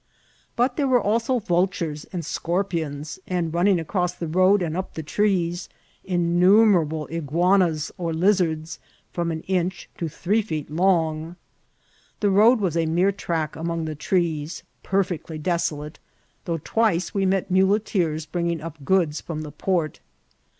But there were also vultures and scorpions, and, running across the road and up the trees, innumerable iguanas or lizards, from an inch to three feet longs The road was a mere track among the trees, perfectly desolate, though twice we met muleteers bringing up goods from the port.